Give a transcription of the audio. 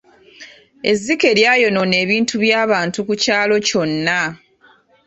Ezzike lyayonoona ebintu by'abantu ku kyalo kyonna.